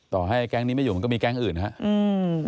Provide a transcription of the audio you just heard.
ต่อให้แก๊งนี้ไม่อยู่มันก็มีแก๊งอื่นครับ